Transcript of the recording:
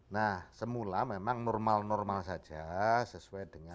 nah semula memang normal normal saja sesuai dengan